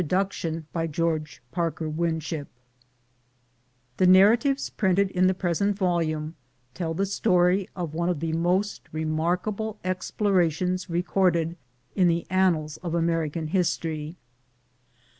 g.nzed I:, G<X)gIe INTRODUCTION The narratives printed in the present vol ume tell the story of one of the most remark able explorations recorded in the annals of American history.